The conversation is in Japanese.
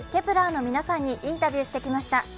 １ｅｒの皆さんにインタビューしてきました。